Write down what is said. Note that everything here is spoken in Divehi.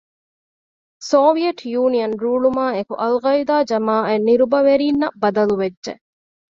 ސޮވިއެޓް ޔުނިއަން ރޫޅުމާއެކު އަލްޤާޢިދާ ޖަމާޢަތް ނިރުބަވެރީންނަށް ބަދަލުވެއްޖެ